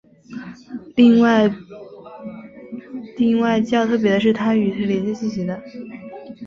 另外较特别的是它的与是连接在一起的。